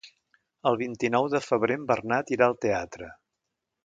El vint-i-nou de febrer en Bernat irà al teatre.